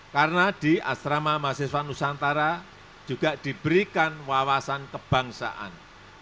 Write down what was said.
karena di asrama mahasiswa nusantara juga diberikan wawasan kebangsaan